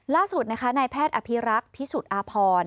ล่าสุดนะคะนายแพทย์อภิรักษ์พิสุทธิ์อาพร